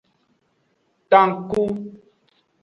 Tanku.